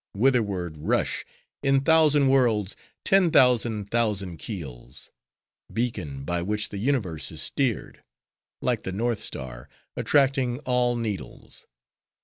Whitherward rush, in thousand worlds, ten thousand thousand keels! Beacon, by which the universe is steered!—Like the north star, attracting all needles!